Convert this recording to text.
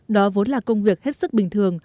đó vốn là công việc hết sức bình thường